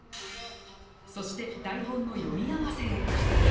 そして台本の読み合わせへ。